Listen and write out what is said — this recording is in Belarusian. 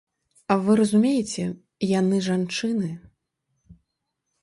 Вы разумееце, яны жанчыны!